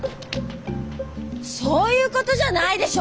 そういうことじゃないでしょ！